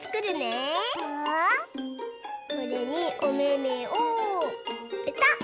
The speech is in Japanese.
これにおめめをぺたっ。